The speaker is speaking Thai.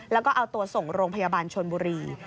แล้วก็เอาตัวส่งโรงพยาบาลชนบุรี